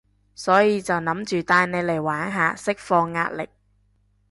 所以就諗住帶你嚟玩下，釋放壓力